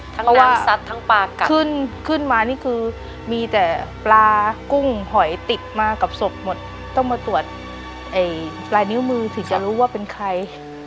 เพราะว่าขึ้นมานี่คือมีแต่ปลากุ้งหอยติดมากับสบหมดต้องมาตรวจลายนิ้วมือถึงจะรู้ว่าเป็นใคร